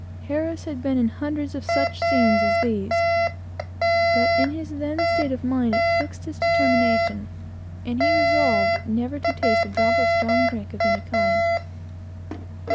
Harris had seen and been in hundreds of such scenes as these, but in his then state of mind, it fixed his determination, and he resolved never to taste another drop of strong drink, of any kind.